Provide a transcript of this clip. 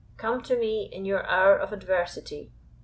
Come to me in your hour of adversity.